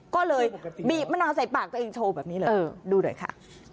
ก็เลยบีบมะนาวใส่ปากตัวเองโชว์แบบนี้เลยดูหน่อยค่ะ